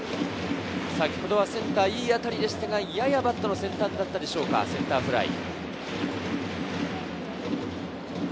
先ほどはセンターにいい当たりでしたが、ややバットの先端だったでしょうか、センターフライ。